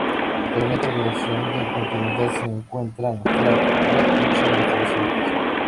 Actualmente la producción del Continental se centra en Flat Rock, Michigan, Estados Unidos.